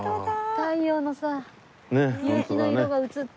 太陽のさ夕日の色が映って。